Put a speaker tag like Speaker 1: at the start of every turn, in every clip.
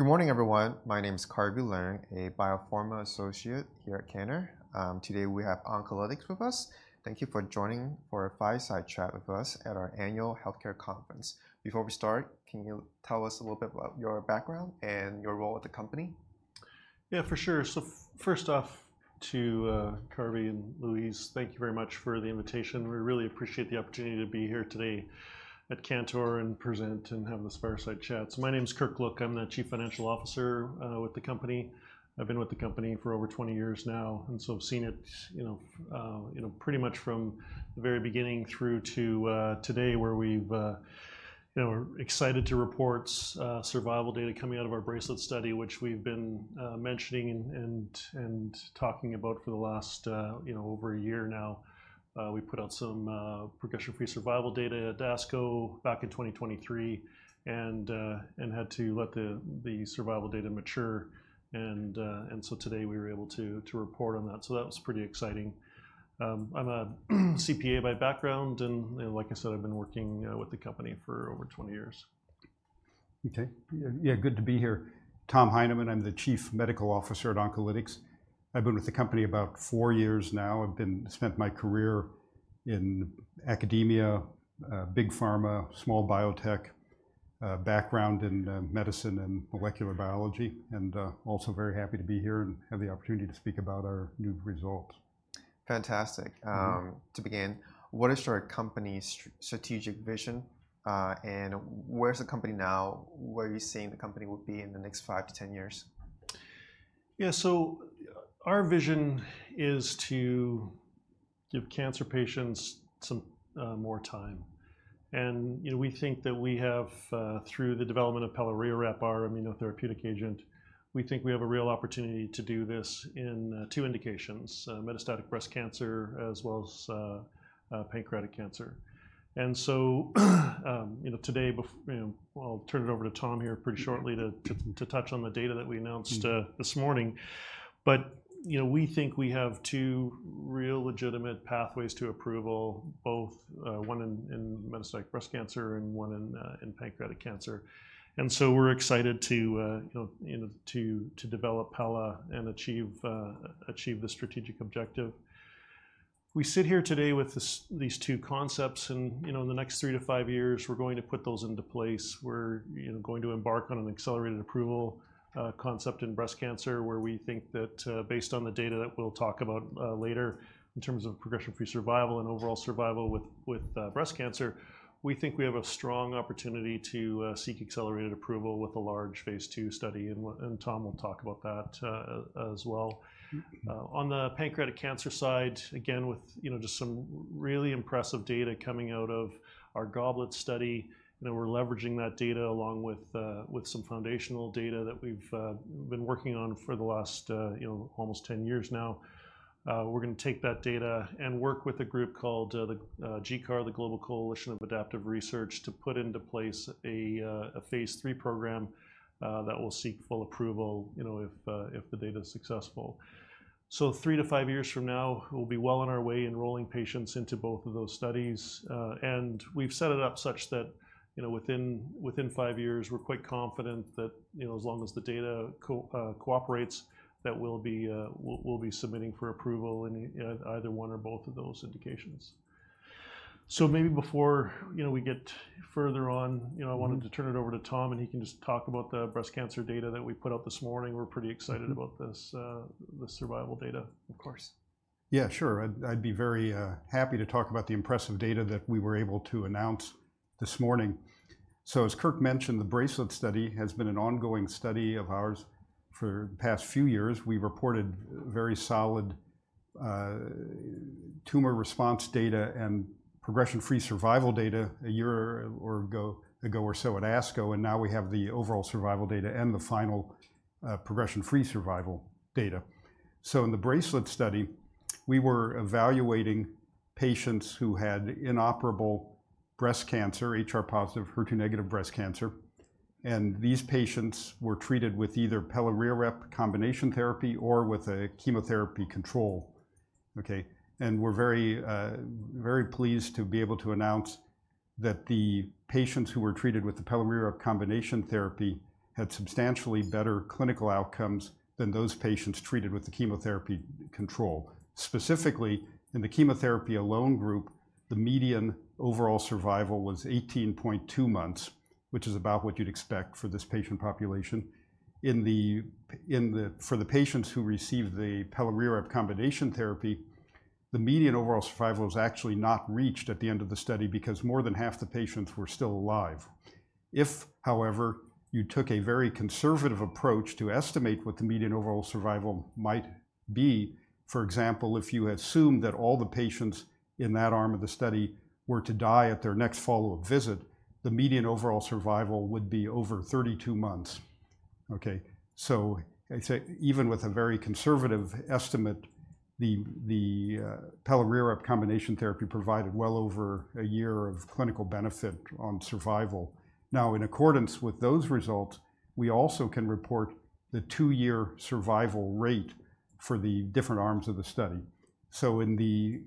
Speaker 1: Good morning, everyone. My name is Carvey Leung, a biopharma associate here at Cantor. Today, we have Oncolytics with us. Thank you for joining for a Fireside Chat with us at our annual healthcare conference. Before we start, can you tell us a little bit about your background and your role at the company?
Speaker 2: Yeah, for sure. So first off, to Carvey and Louise, thank you very much for the invitation. We really appreciate the opportunity to be here today at Cantor and present and have this Fireside Chat. So my name is Kirk Look. I'm the Chief Financial Officer with the company. I've been with the company for over 20 years now, and so I've seen it, you know, you know, pretty much from the very beginning through to today, where we've... You know, we're excited to report survival data coming out of our BRACELET study, which we've been mentioning and talking about for the last, you know, over a year now. We put out some progression-free survival data at ASCO back in 2023, and had to let the survival data mature and... Today, we were able to report on that, so that was pretty exciting. I'm a CPA by background, and like I said, I've been working with the company for over 20 years.
Speaker 3: Okay. Yeah, yeah, good to be here. Tom Heineman, I'm the Chief Medical Officer at Oncolytics. I've been with the company about four years now. Spent my career in academia, big pharma, small biotech, background in medicine and molecular biology, and also very happy to be here and have the opportunity to speak about our new results.
Speaker 1: Fantastic.
Speaker 3: Mm-hmm.
Speaker 1: To begin, what is your company's strategic vision, and where is the company now? Where are you seeing the company will be in the next five to ten years?
Speaker 2: Yeah, so our vision is to give cancer patients some more time. And, you know, we think that we have through the development of pelareorep, our immunotherapeutic agent, we think we have a real opportunity to do this in two indications, metastatic breast cancer, as well as pancreatic cancer. And so, you know, today, you know, I'll turn it over to Tom here pretty shortly to touch on the data that we announced.
Speaker 3: Mm...
Speaker 2: this morning. But, you know, we think we have two real legitimate pathways to approval, both, one in metastatic breast cancer and one in pancreatic cancer. And so we're excited to, you know, to develop pela and achieve this strategic objective. We sit here today with these two concepts, and, you know, in the next three to five years, we're going to put those into place. We're, you know, going to embark on an accelerated approval concept in breast cancer, where we think that, based on the data that we'll talk about later, in terms of progression-free survival and overall survival with breast cancer, we think we have a strong opportunity to seek accelerated approval with a large phase 2 study, and Tom will talk about that as well. On the pancreatic cancer side, again, with, you know, just some really impressive data coming out of our GOBLET study, and we're leveraging that data along with some foundational data that we've been working on for the last, you know, almost ten years now. We're gonna take that data and work with a group called the GCAR, the Global Coalition for Adaptive Research, to put into place a phase 3 program that will seek full approval, you know, if the data is successful. So three to five years from now, we'll be well on our way, enrolling patients into both of those studies. And we've set it up such that, you know, within five years, we're quite confident that, you know, as long as the data cooperates, that we'll be submitting for approval in either one or both of those indications. So maybe before, you know, we get further on, you know, I wanted to turn it over to Tom, and he can just talk about the breast cancer data that we put out this morning. We're pretty excited about this, the survival data, of course.
Speaker 3: Yeah, sure. I'd be very happy to talk about the impressive data that we were able to announce this morning. So as Kirk mentioned, the BRACELET study has been an ongoing study of ours for the past few years. We've reported very solid tumor response data and progression-free survival data a year or so ago at ASCO, and now we have the overall survival data and the final progression-free survival data. So in the BRACELET study, we were evaluating patients who had inoperable breast cancer, HR-positive, HER2-negative breast cancer, and these patients were treated with either pelareorep combination therapy or with a chemotherapy control. Okay, and we're very very pleased to be able to announce that the patients who were treated with the pelareorep combination therapy had substantially better clinical outcomes than those patients treated with the chemotherapy control. Specifically, in the chemotherapy-alone group, the median overall survival was 18.2 months, which is about what you'd expect for this patient population. In the pelareorep for the patients who received the pelareorep combination therapy, the median overall survival was actually not reached at the end of the study because more than half the patients were still alive. If, however, you took a very conservative approach to estimate what the median overall survival might be, for example, if you assumed that all the patients in that arm of the study were to die at their next follow-up visit, the median overall survival would be over 32 months, okay? So I say, even with a very conservative estimate, the pelareorep combination therapy provided well over a year of clinical benefit on survival. Now, in accordance with those results, we also can report the 2-year survival rate-... for the different arms of the study. So in the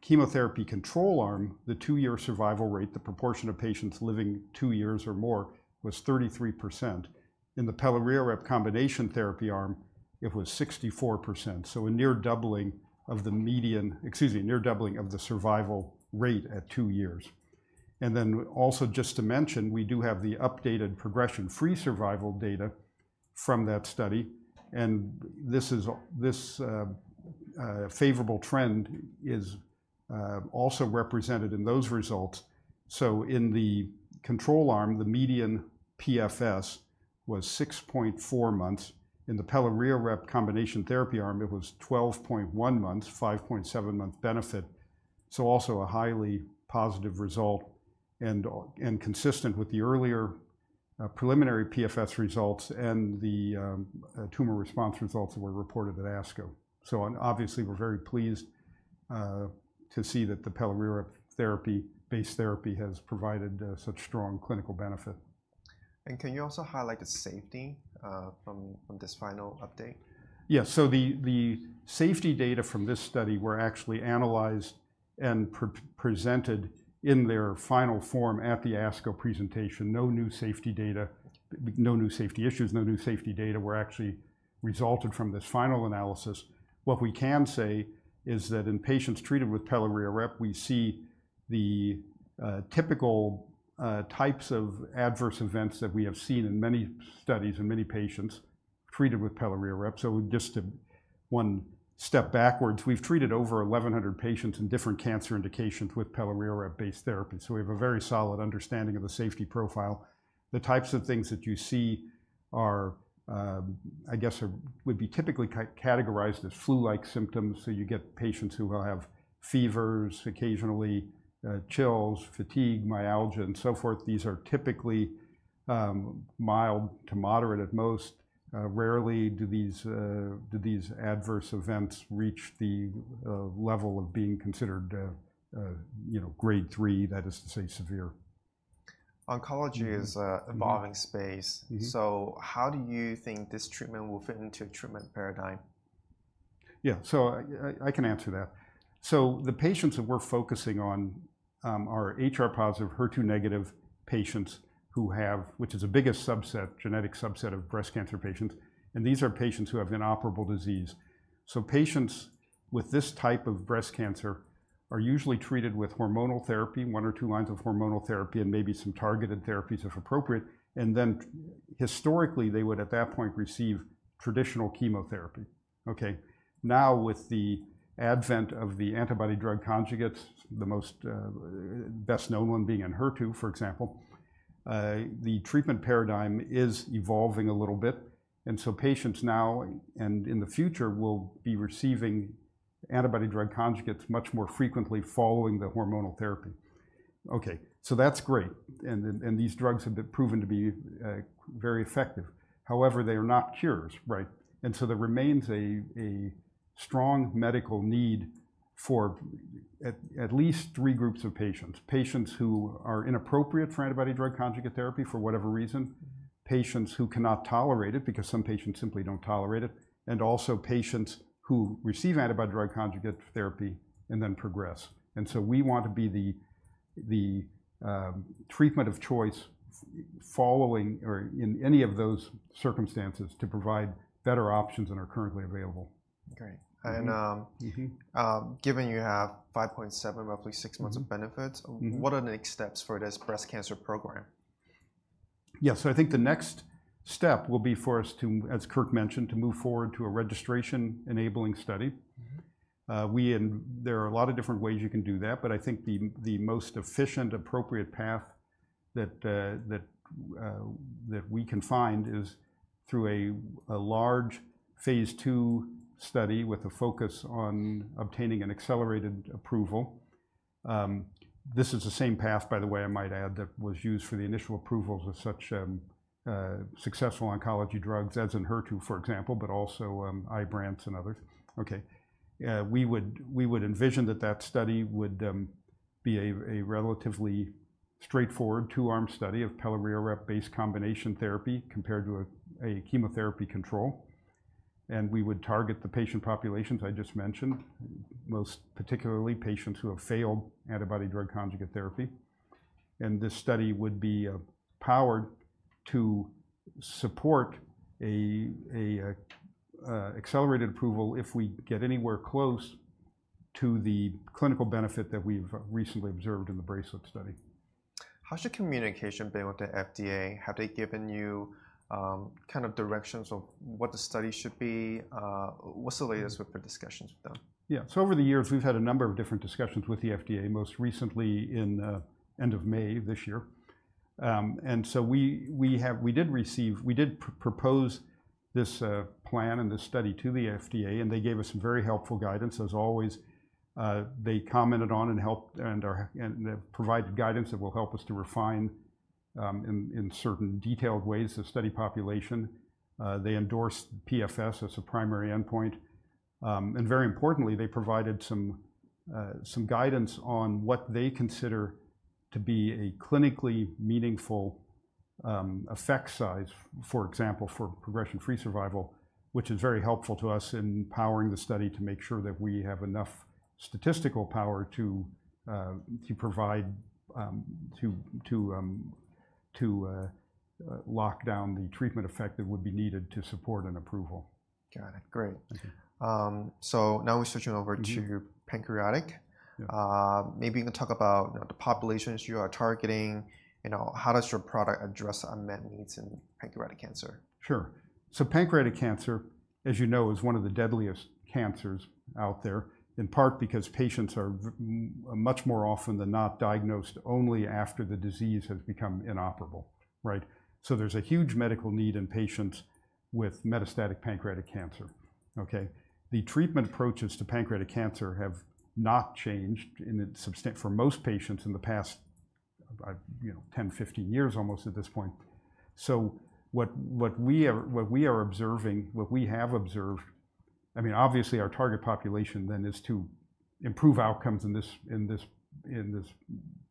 Speaker 3: chemotherapy control arm, the two-year survival rate, the proportion of patients living two years or more, was 33%. In the pelareorep combination therapy arm, it was 64%, so a near doubling of the median, excuse me, near doubling of the survival rate at two years. And then also just to mention, we do have the updated progression-free survival data from that study, and this favorable trend is also represented in those results. So in the control arm, the median PFS was 6.4 months. In the pelareorep combination therapy arm, it was 12.1 months, 5.7-month benefit, so also a highly positive result and consistent with the earlier preliminary PFS results and the tumor response results that were reported at ASCO. So, and obviously, we're very pleased to see that the pelareorep therapy, base therapy, has provided such strong clinical benefit.
Speaker 1: And can you also highlight the safety from this final update?
Speaker 3: Yeah, so the safety data from this study were actually analyzed and presented in their final form at the ASCO presentation. No new safety data, no new safety issues, no new safety data were actually resulted from this final analysis. What we can say is that in patients treated with pelareorep, we see the typical types of adverse events that we have seen in many studies, in many patients treated with pelareorep. So just to one step backwards, we've treated over 1,100 patients in different cancer indications with pelareorep-based therapy, so we have a very solid understanding of the safety profile. The types of things that you see are, I guess, would be typically categorized as flu-like symptoms, so you get patients who will have fevers, occasionally chills, fatigue, myalgia, and so forth. These are typically mild to moderate at most. Rarely do these adverse events reach the level of being considered, you know, Grade 3, that is to say, severe.
Speaker 1: Oncology is a-
Speaker 3: Mm-hmm...
Speaker 1: evolving space.
Speaker 3: Mm-hmm.
Speaker 1: So how do you think this treatment will fit into a treatment paradigm?
Speaker 3: Yeah, so I can answer that. So the patients that we're focusing on are HR-positive, HER2-negative patients who have which is the biggest subset, genetic subset of breast cancer patients, and these are patients who have inoperable disease. So patients with this type of breast cancer are usually treated with hormonal therapy, one or two lines of hormonal therapy, and maybe some targeted therapies, if appropriate. And then, historically, they would, at that point, receive traditional chemotherapy. Okay. Now, with the advent of the antibody-drug conjugates, the most best-known one being in HER2, for example, the treatment paradigm is evolving a little bit, and so patients now and in the future will be receiving antibody-drug conjugates much more frequently following the hormonal therapy. Okay, so that's great, and then, and these drugs have been proven to be very effective. However, they are not cures, right? And so there remains a strong medical need for at least three groups of patients, patients who are inappropriate for antibody-drug conjugate therapy, for whatever reason, patients who cannot tolerate it, because some patients simply don't tolerate it, and also patients who receive antibody-drug conjugate therapy and then progress. And so we want to be the treatment of choice following or in any of those circumstances to provide better options than are currently available.
Speaker 1: Great.
Speaker 3: Mm-hmm.
Speaker 1: And, um-
Speaker 3: Mm-hmm...
Speaker 1: given you have five point seven, roughly six months-
Speaker 3: Mm...
Speaker 1: of benefits.
Speaker 3: Mm-hmm...
Speaker 1: what are the next steps for this breast cancer program?
Speaker 3: Yeah, so I think the next step will be for us to, as Kirk mentioned, to move forward to a registration-enabling study.
Speaker 1: Mm-hmm.
Speaker 3: We, and there are a lot of different ways you can do that, but I think the most efficient, appropriate path that we can find is through a large phase two study with a focus on obtaining an accelerated approval. This is the same path, by the way, I might add, that was used for the initial approvals of such successful oncology drugs as Enhertu, for example, but also Ibrance and others. Okay, we would envision that study would be a relatively straightforward two-arm study of pelareorep-based combination therapy compared to a chemotherapy control, and we would target the patient populations I just mentioned, most particularly patients who have failed antibody-drug conjugate therapy. This study would be powered to support an accelerated approval if we get anywhere close to the clinical benefit that we've recently observed in the BRACELET study.
Speaker 1: How's your communication been with the FDA? Have they given you, kind of directions of what the study should be? What's the latest-
Speaker 3: Mm...
Speaker 1: with the discussions with them?
Speaker 3: Yeah, so over the years, we've had a number of different discussions with the FDA, most recently in end of May this year, and we did propose this plan and this study to the FDA, and they gave us some very helpful guidance, as always. They commented on and helped, and they provided guidance that will help us to refine in certain detailed ways the study population. They endorsed PFS as a primary endpoint. And very importantly, they provided some guidance on what they consider to be a clinically meaningful effect size, for example, for progression-free survival, which is very helpful to us in powering the study to make sure that we have enough statistical power to lock down the treatment effect that would be needed to support an approval.
Speaker 1: Got it. Great.
Speaker 3: Okay.
Speaker 1: So now we're switching over-
Speaker 3: Mm-hmm...
Speaker 1: to pancreatic.
Speaker 3: Yeah.
Speaker 1: Maybe you can talk about, you know, the populations you are targeting. You know, how does your product address unmet needs in pancreatic cancer?
Speaker 3: Sure. So pancreatic cancer, as you know, is one of the deadliest cancers out there, in part because patients are much more often than not diagnosed only after the disease has become inoperable, right? So there's a huge medical need in patients with metastatic pancreatic cancer, okay? The treatment approaches to pancreatic cancer have not changed in a substantially for most patients in the past, you know, 10, 15 years almost at this point. So what, what we are, what we are observing, what we have observed. I mean, obviously, our target population then is to improve outcomes in this, in this, in this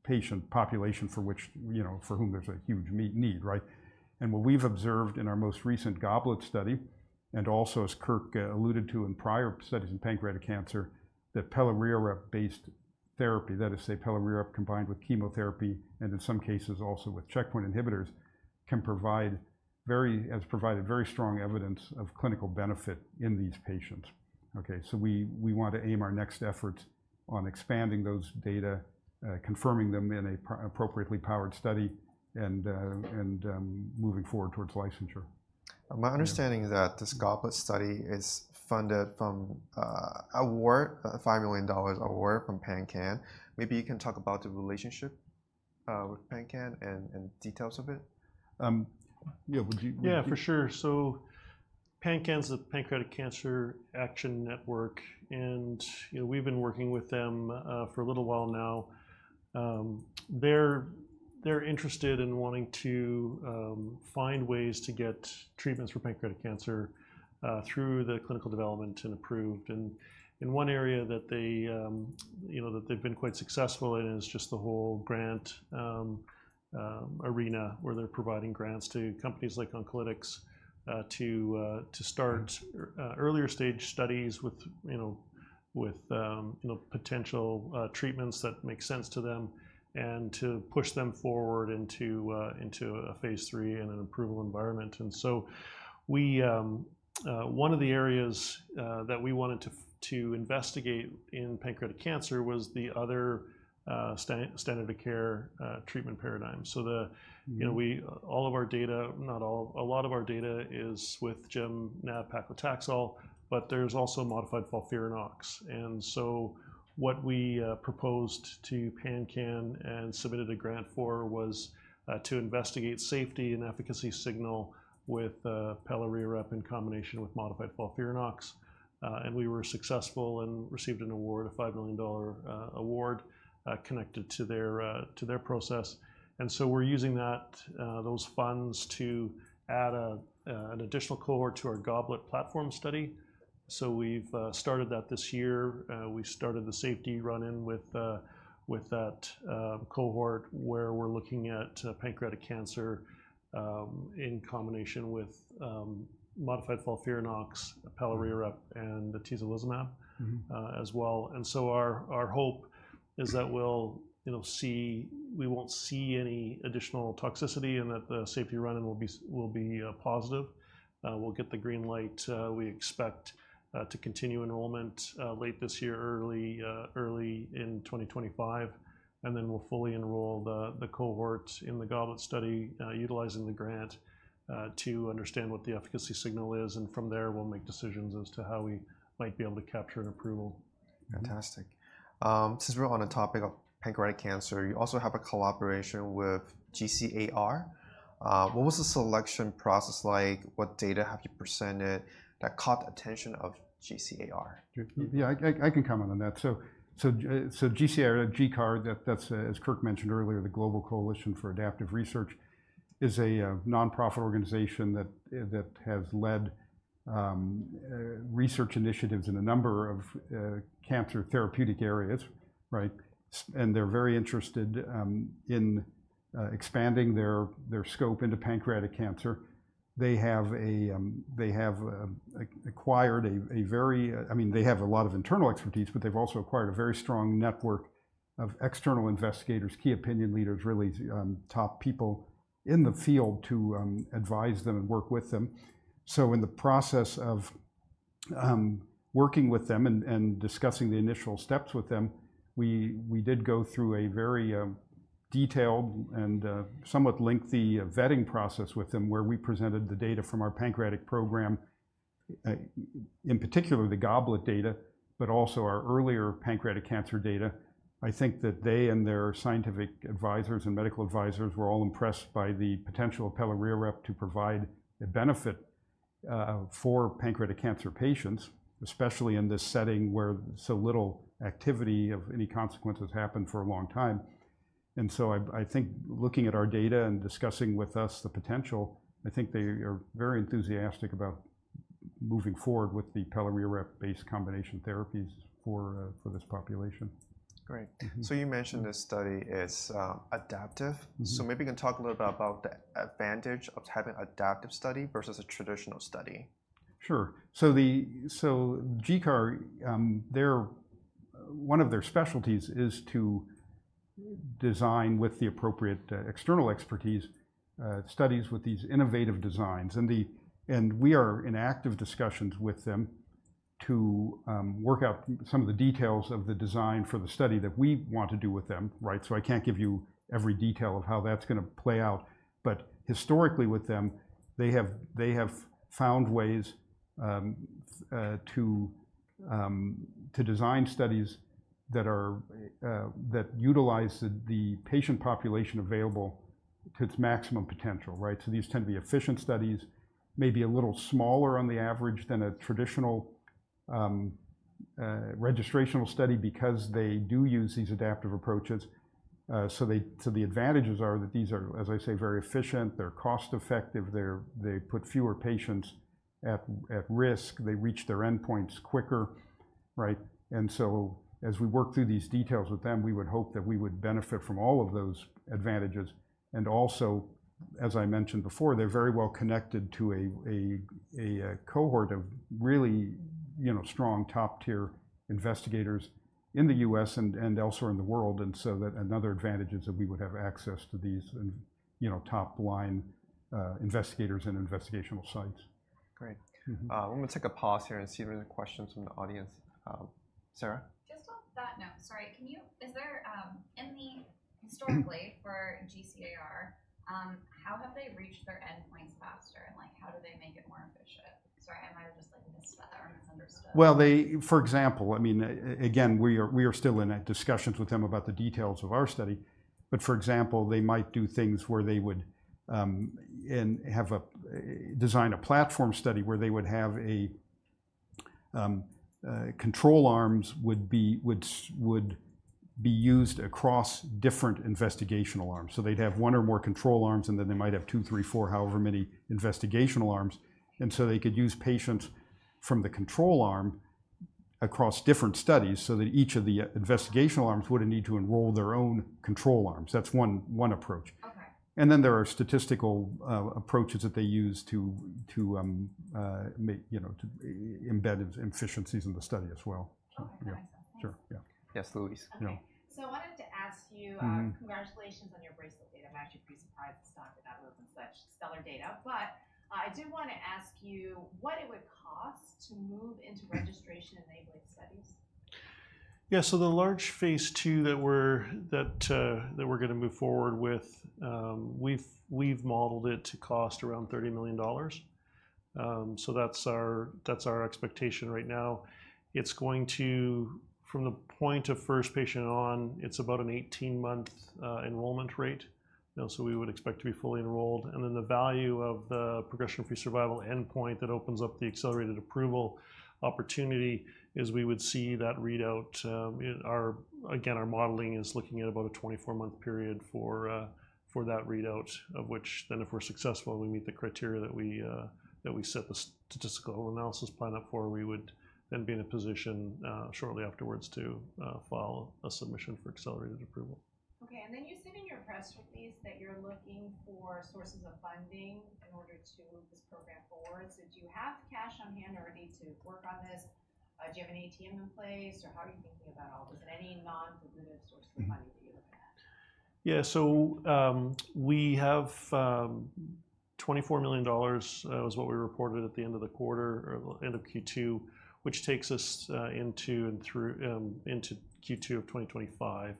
Speaker 3: patient population for which, you know, for whom there's a huge medical need, right? What we've observed in our most recent GOBLET study, and also as Kirk alluded to in prior studies in pancreatic cancer, that pelareorep-based therapy, that is, say, pelareorep combined with chemotherapy, and in some cases, also with checkpoint inhibitors, has provided very strong evidence of clinical benefit in these patients. Okay, so we want to aim our next efforts on expanding those data, confirming them in an appropriately powered study, and moving forward towards licensure.
Speaker 1: My understanding is that this GOBLET study is funded from a $5 million award from PanCAN. Maybe you can talk about the relationship with PanCAN and details of it.
Speaker 3: Yeah, would you-
Speaker 2: Yeah, for sure. So PanCAN's the Pancreatic Cancer Action Network, and, you know, we've been working with them for a little while now. They're interested in wanting to find ways to get treatments for pancreatic cancer through the clinical development and approved. And in one area that they, you know, that they've been quite successful in is just the whole grant arena, where they're providing grants to companies like Oncolytics to start earlier stage studies with you know with potential treatments that make sense to them, and to push them forward into a phase three and an approval environment. And so we one of the areas that we wanted to investigate in pancreatic cancer was the other standard of care treatment paradigm. So the-
Speaker 3: Mm-hmm...
Speaker 2: you know, we, all of our data, not all, a lot of our data is with gem, nab-paclitaxel, but there's also modified FOLFIRINOX. What we proposed to PanCAN and submitted a grant for was to investigate safety and efficacy signal with pelareorep in combination with modified FOLFIRINOX. We were successful and received an award, a $5 million award, connected to their process. We're using those funds to add an additional cohort to our GOBLET platform study. We've started that this year. We started the safety run-in with that cohort, where we're looking at pancreatic cancer in combination with modified FOLFIRINOX, pelareorep, and the atezolizumab
Speaker 3: Mm-hmm...
Speaker 2: as well. And so our hope is that we'll, you know, see... We won't see any additional toxicity, and that the safety run-in will be positive. We'll get the green light. We expect to continue enrollment late this year, early in 2025, and then we'll fully enroll the cohort in the GOBLET study, utilizing the grant to understand what the efficacy signal is, and from there, we'll make decisions as to how we might be able to capture an approval.
Speaker 3: Mm-hmm.
Speaker 1: Fantastic. Since we're on the topic of pancreatic cancer, you also have a collaboration with GCAR. What was the selection process like? What data have you presented that caught the attention of GCAR?
Speaker 3: Yeah, I can comment on that. So, GCAR, that's, as Kirk mentioned earlier, the Global Coalition for Adaptive Research, is a nonprofit organization that has led research initiatives in a number of cancer therapeutic areas, right? And they're very interested in expanding their scope into pancreatic cancer. I mean, they have a lot of internal expertise, but they've also acquired a very strong network of external investigators, key opinion leaders, really top people in the field to advise them and work with them. So in the process of working with them and discussing the initial steps with them, we did go through a very detailed and somewhat lengthy vetting process with them, where we presented the data from our pancreatic program in particular, the GOBLET data, but also our earlier pancreatic cancer data. I think that they and their scientific advisors and medical advisors were all impressed by the potential of pelareorep to provide a benefit for pancreatic cancer patients, especially in this setting where so little activity of any consequence happened for a long time. And so I think looking at our data and discussing with us the potential, I think they are very enthusiastic about moving forward with the pelareorep-based combination therapies for this population.
Speaker 1: Great. So you mentioned this study is adaptive.
Speaker 3: Mm-hmm.
Speaker 1: So maybe you can talk a little bit about the advantage of having adaptive study versus a traditional study.
Speaker 3: Sure. So GCAR, their one of their specialties is to design with the appropriate external expertise studies with these innovative designs. And we are in active discussions with them to work out some of the details of the design for the study that we want to do with them, right? So I can't give you every detail of how that's gonna play out. But historically, with them, they have, they have found ways to design studies that are that utilize the patient population available to its maximum potential, right? So these tend to be efficient studies, maybe a little smaller on the average than a traditional registrational study, because they do use these adaptive approaches. So the advantages are that these are, as I say, very efficient, they're cost-effective, they're, they put fewer patients at risk, they reach their endpoints quicker, right? And so, as we work through these details with them, we would hope that we would benefit from all of those advantages. And also, as I mentioned before, they're very well connected to a cohort of really, you know, strong, top-tier investigators in the U.S. and elsewhere in the world, and so that another advantage is that we would have access to these, you know, top-line investigators and investigational sites.
Speaker 1: Great.
Speaker 3: Mm-hmm.
Speaker 1: I'm gonna take a pause here and see if there are any questions from the audience. Sarah?
Speaker 4: Just off that note, sorry, Is there historically, for GCAR, how have they reached their endpoints faster, and, like, how do they make it more efficient? Sorry, I might have just, like, missed that or misunderstood.
Speaker 3: For example, I mean, again, we are still in discussions with them about the details of our study, but for example, they might do things where they would design a platform study where they would have control arms would be used across different investigational arms. So they'd have one or more control arms, and then they might have two, three, four, however many investigational arms. And so they could use patients from the control arm across different studies so that each of the investigational arms wouldn't need to enroll their own control arms. That's one approach.
Speaker 4: Okay.
Speaker 3: And then there are statistical approaches that they use to make, you know, to embed efficiencies in the study as well.
Speaker 4: Okay, I see.
Speaker 3: Sure, yeah.
Speaker 1: Yes, Louise.
Speaker 4: Okay.
Speaker 3: Yeah.
Speaker 4: So I wanted to ask you-
Speaker 3: Mm-hmm.
Speaker 4: Congratulations on your BRACELET data. I'm actually pretty surprised the stock went up on such stellar data. But I do wanna ask you what it would cost to move into registration-enabling studies?
Speaker 2: Yeah, so the large phase 2 that we're gonna move forward with, we've modeled it to cost around $30 million. So that's our expectation right now. It's going to... From the point of first patient on, it's about an 18-month enrollment rate. So we would expect to be fully enrolled, and then the value of the progression-free survival endpoint that opens up the accelerated approval opportunity is we would see that readout in our... Again, our modeling is looking at about a 24-month period for that readout, of which then if we're successful, and we meet the criteria that we set the statistical analysis plan up for, we would then be in a position shortly afterwards to file a submission for accelerated approval.
Speaker 4: Okay, and then you said in your press release that you're looking for sources of funding in order to move this program forward. So do you have the cash on hand or need to work on this? Do you have an ATM in place, or how are you thinking about all this? Is there any non-dilutive source-
Speaker 2: Mm-hmm...
Speaker 4: of funding that you're looking at?
Speaker 2: Yeah, so we have $24 million, which was what we reported at the end of the quarter, or the end of Q2, which takes us into and through into Q2 of 2025.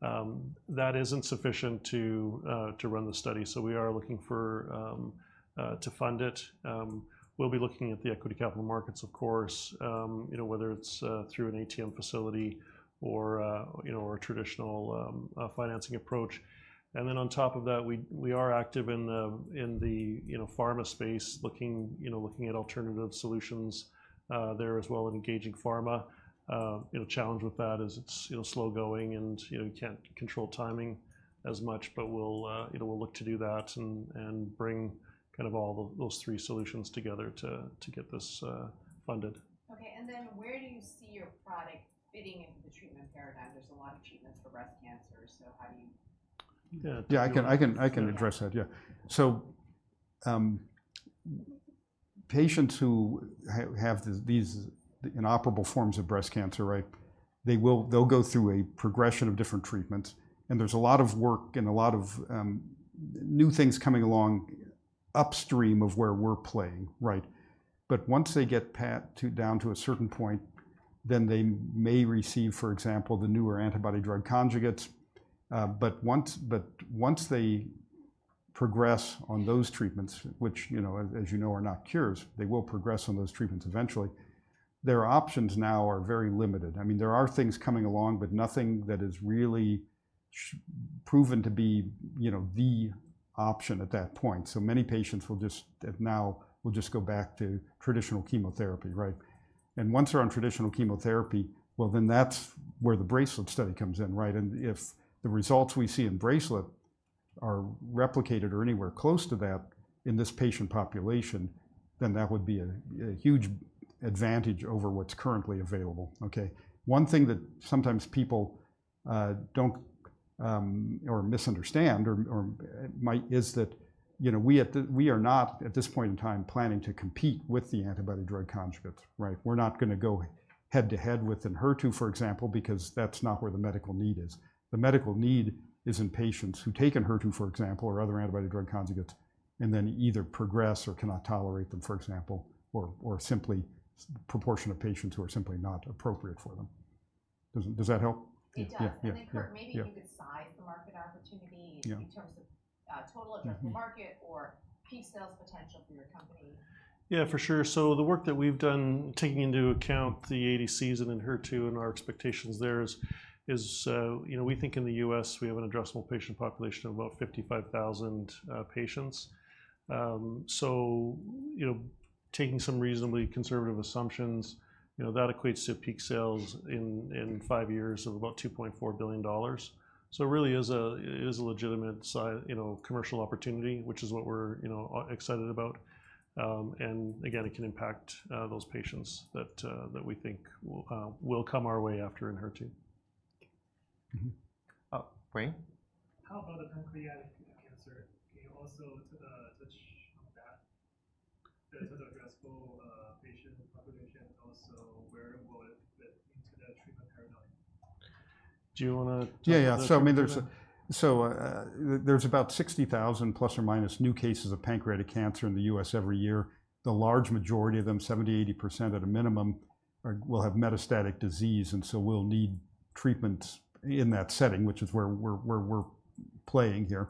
Speaker 2: That isn't sufficient to run the study, so we are looking for to fund it. We'll be looking at the equity capital markets, of course, you know, whether it's through an ATM facility or, you know, a traditional financing approach. And then on top of that, we are active in the, in the, you know, pharma space, looking, you know, looking at alternative solutions there as well, engaging pharma. You know, challenge with that is it's, you know, slow-going, and, you know, you can't control timing as much, but we'll, you know, we'll look to do that and bring kind of all those three solutions together to get this funded.
Speaker 4: Okay, and then where do you see your product fitting into the treatment paradigm? There's a lot of treatments for breast cancer, so how do you-
Speaker 3: Yeah.
Speaker 2: Yeah, I can address that, yeah. So, patients who have these inoperable forms of breast cancer, right, they'll go through a progression of different treatments, and there's a lot of work and a lot of new things coming along upstream of where we're playing, right? But once they get down to a certain point, then they may receive, for example, the newer antibody-drug conjugates. But once they progress on those treatments, which, you know, as you know, are not cures, they will progress on those treatments eventually. Their options now are very limited. I mean, there are things coming along, but nothing that is really proven to be, you know, the option at that point. So many patients will just go back to traditional chemotherapy, right?... and once they're on traditional chemotherapy, well, then that's where the BRACELET study comes in, right? And if the results we see in BRACELET are replicated or anywhere close to that in this patient population, then that would be a huge advantage over what's currently available, okay? One thing that sometimes people don't or misunderstand or might is that, you know, we are not, at this point in time, planning to compete with the antibody drug conjugates, right? We're not gonna go head-to-head with Enhertu, for example, because that's not where the medical need is. The medical need is in patients who've taken Enhertu, for example, or other antibody drug conjugates, and then either progress or cannot tolerate them, for example, or simply proportion of patients who are simply not appropriate for them. Does that help?
Speaker 1: It does.
Speaker 3: Yeah, yeah.
Speaker 1: And then, Kirk-
Speaker 2: Yeah.
Speaker 1: Maybe you could size the market opportunity?
Speaker 3: Yeah...
Speaker 1: in terms of, total-
Speaker 3: Yeah
Speaker 1: Addressable market or peak sales potential for your company.
Speaker 2: Yeah, for sure. So the work that we've done, taking into account the ADCs and Enhertu and our expectations there is, you know, we think in the U.S., we have an addressable patient population of about 55,000 patients. So, you know, taking some reasonably conservative assumptions, you know, that equates to peak sales in 5 years of about $2.4 billion. So it really is a legitimate commercial opportunity, which is what we're, you know, excited about. And again, it can impact those patients that we think will come our way after Enhertu.
Speaker 3: Mm-hmm. Wayne?
Speaker 5: How about the pancreatic cancer? Can you also touch on that? The sort of addressable patient population, and also where will it fit into that treatment paradigm?
Speaker 2: Do you wanna-
Speaker 3: Yeah, yeah.
Speaker 2: I mean, there's...
Speaker 3: So, there's about 60,000 plus or minus new cases of pancreatic cancer in the U.S. every year. The large majority of them, 70%-80% at a minimum, will have metastatic disease, and so will need treatments in that setting, which is where we're playing here.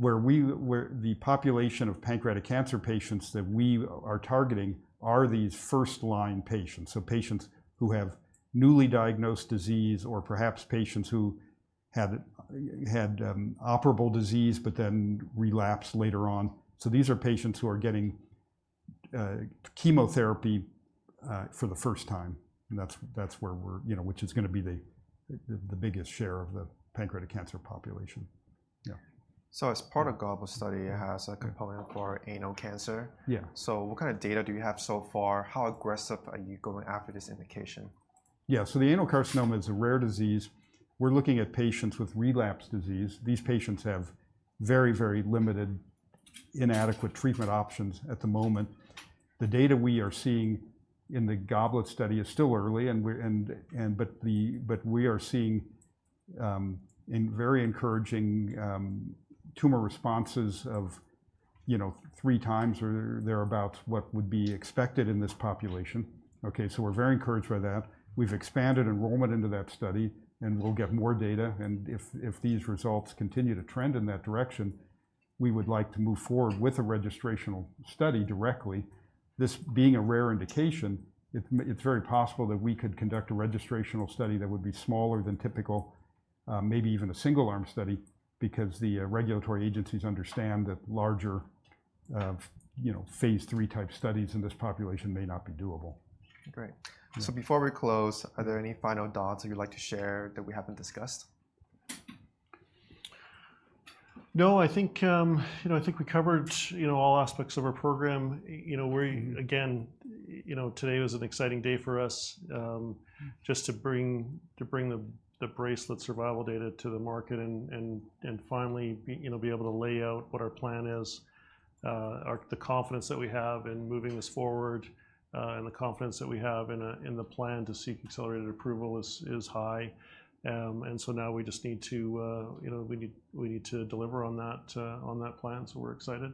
Speaker 3: The population of pancreatic cancer patients that we are targeting are these first-line patients, so patients who have newly diagnosed disease or perhaps patients who have had operable disease but then relapse later on. So these are patients who are getting chemotherapy for the first time, and that's where we're, you know, which is gonna be the biggest share of the pancreatic cancer population. Yeah.
Speaker 1: As part of GOBLET study, it has a component for anal cancer.
Speaker 3: Yeah.
Speaker 1: So what kind of data do you have so far? How aggressive are you going after this indication?
Speaker 3: Yeah, so the anal carcinoma is a rare disease. We're looking at patients with relapsed disease. These patients have very, very limited, inadequate treatment options at the moment. The data we are seeing in the GOBLET study is still early, and we're but the, but we are seeing in very encouraging tumor responses of, you know, three times or thereabout what would be expected in this population, okay? So we're very encouraged by that. We've expanded enrollment into that study, and we'll get more data, and if these results continue to trend in that direction, we would like to move forward with a registrational study directly. This being a rare indication, it's very possible that we could conduct a registrational study that would be smaller than typical, maybe even a single-arm study, because the regulatory agencies understand that larger, you know, phase III-type studies in this population may not be doable.
Speaker 1: Great.
Speaker 3: Yeah.
Speaker 1: So before we close, are there any final thoughts that you'd like to share that we haven't discussed?
Speaker 2: No, I think, you know, I think we covered, you know, all aspects of our program. You know, we're, again, you know, today was an exciting day for us, just to bring the BRACELET survival data to the market and finally, you know, be able to lay out what our plan is. Our... The confidence that we have in moving this forward, and the confidence that we have in the plan to seek accelerated approval is high. And so now we just need to, you know, we need to deliver on that plan, so we're excited.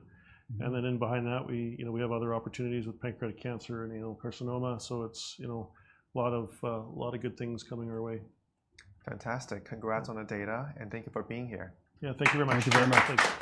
Speaker 3: Mm-hmm.
Speaker 2: Then in behind that, we, you know, we have other opportunities with pancreatic cancer and anal carcinoma, so it's, you know, a lot of, a lot of good things coming our way.
Speaker 1: Fantastic. Congrats on the data, and thank you for being here.
Speaker 2: Yeah, thank you very much.
Speaker 3: Thank you very much.